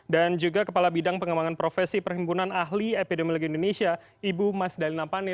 dan juga kepala bidang pengembangan profesi perhimpunan ahli epidemiologi indonesia ibu mas daly napani